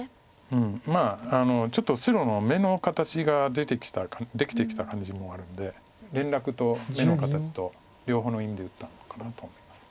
うんまあちょっと白の眼の形ができてきた感じもあるので連絡と眼の形と両方の意味で打ったのかなと思います。